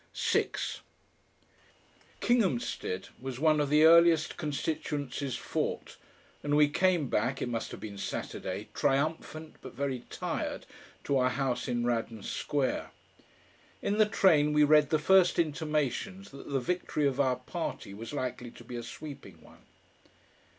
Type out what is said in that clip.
6 Kinghamstead was one of the earliest constituencies fought, and we came back it must have been Saturday triumphant but very tired, to our house in Radnor Square. In the train we read the first intimations that the victory of our party was likely to be a sweeping one.